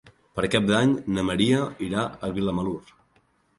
Per Cap d'Any na Maria irà a Vilamalur.